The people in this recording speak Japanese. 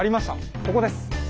ここです。